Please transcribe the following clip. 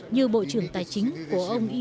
như bộ trưởng tài chính và bộ trưởng tài chính